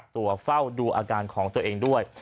ตัวเฝ้าดูอาการของตัวเองด้วย